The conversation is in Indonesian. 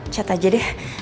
chat aja deh